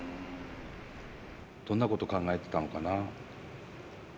どんなこと考えてたのかな？